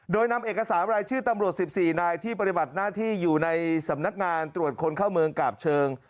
โดยนำเอกสารรายชื่อตำรวจ๑๔นายที่ปฏิบัติหน้าที่อยู่ในสำนักงานตรวจคนเข้าเมืองกาบเชิง